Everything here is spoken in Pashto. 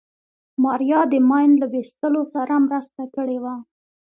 ماريا د ماين له ويستلو سره مرسته کړې وه.